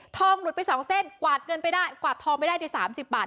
ทองหลุดไปสองเส้นกวาดเงินไปได้กวาดทองไปได้ทีสามสิบบาท